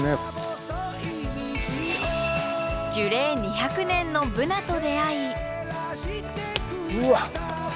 樹齢２００年のブナと出会い。